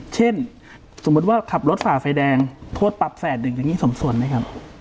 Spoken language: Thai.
เช่นสมมุติว่าขับรถฝ่าไฟแดงโทษปรับแสนหนึ่งอย่างนี้สมส่วนไหมครับ